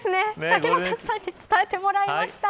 竹俣さんに伝えてもらいました。